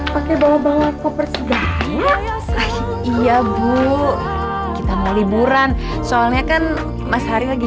pakai bawa bawa koper segar iya bu kita mau liburan soalnya kan mas hari lagi